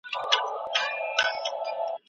چي مُلا دي راته لولي زه سلګی درته وهمه